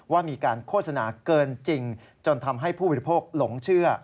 ว่ามีการโฆษณาเกินจริงจนทำให้ผู้บริโภคหลงเชื่อ